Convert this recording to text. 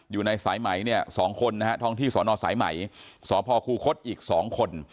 อยู่ในสายใหม่เนี่ยสองคนนะฮะท่องที่สอนอสายใหม่สอพครูคดอีกสองคน